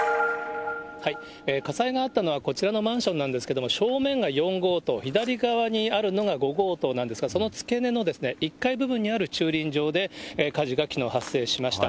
火災があったのはこちらのマンションなんですけども、正面が４号棟、左側にあるのが５号棟なんですが、その付け根の１階部分にある駐輪場で火事がきのう、発生しました。